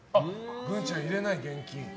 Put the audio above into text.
グンちゃん、入れない、現金。